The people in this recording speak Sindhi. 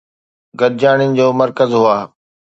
گڏجاڻين جو مرڪز هئا